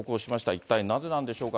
一体なぜなんでしょうか。